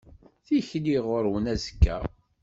Tikli ɣur-wen azekka.